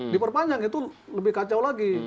diperpanjang itu lebih kacau lagi